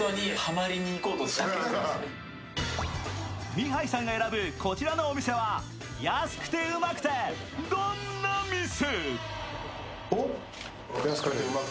ミハイさんが選ぶこちらのお店は安くてウマくてどんな店？